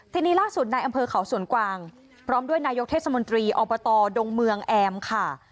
ทีนี้ล่าสุดในอำเภอเขาสวนกวางพร้อมด้วยนายกเทศมนตรีอบตดงเมืองแอมค่ะ